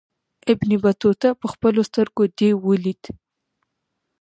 ابن بطوطه پخپلو سترګو دېو ولید.